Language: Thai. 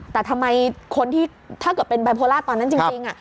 แต่ทำไมคนที่ถ้าเกิดเป็นบายโพล่าตอนนั้นจริง